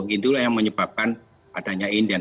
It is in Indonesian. itulah yang menyebabkan adanya inden